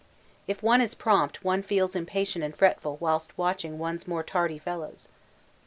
If one is prompt one feels impatient and fretful whilst watching one's more tardy fellows.